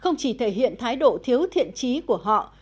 không chỉ thể hiện thái độ thiếu thiện trí của họ